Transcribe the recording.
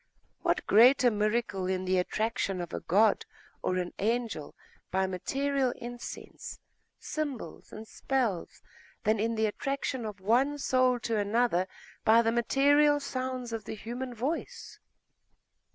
What greater miracle in the attraction of a god or an angel, by material incense, symbols, and spells, than in the attraction of one soul to another by the material sounds of the human voice?